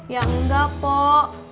ya enggak pok